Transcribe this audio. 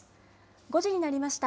５時になりました。